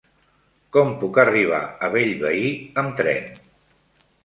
Com puc arribar a Bellvei amb tren?